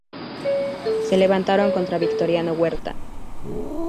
Se levantaron contra Victoriano Huerta.